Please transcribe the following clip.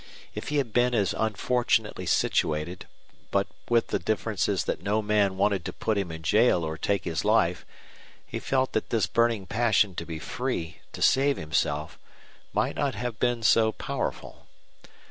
If he had been as unfortunately situated, but with the difference that no man wanted to put him in jail or take his life, he felt that this burning passion to be free, to save himself, might not have been so powerful.